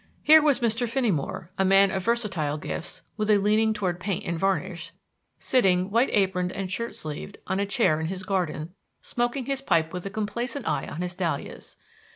Here was Mr. Finneymore (a man of versatile gifts, with a leaning toward paint and varnish) sitting, white aproned and shirt sleeved, on a chair in his garden, smoking his pipe with a complacent eye on his dahlias.